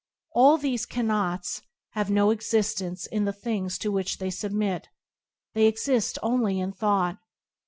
All these "cannots" have no existence in the things to which they submit; they exist only in thought.